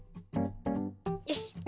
よし。